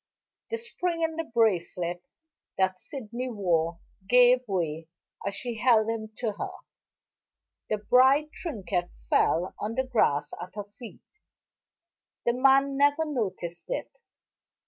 The spring in the bracelet that Sydney wore gave way as she held him to her; the bright trinket fell on the grass at her feet. The man never noticed it.